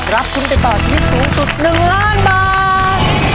รับทุนไปต่อชีวิตสูงสุด๑ล้านบาท